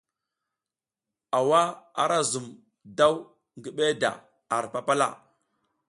Aw ara zum daw ngi beda ar papala.